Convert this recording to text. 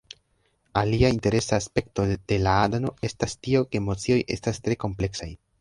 Alia interesa aspekto de Láadano estas tio ke emocioj estas tre kompleksaj